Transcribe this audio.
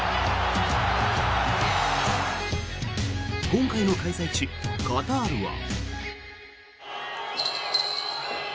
今回の開催地カタールは。